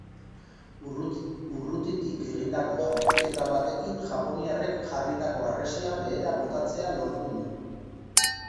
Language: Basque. Urrutitik egindako jaurtiketa batekin japoniarrek jarritako harresia behera botatzea lortu du.